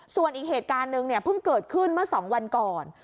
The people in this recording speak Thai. ส่วนอีกเหตุการณ์หนึ่งเนี่ยเพิ่งเกิดขึ้นเมื่อ๒วันก่อน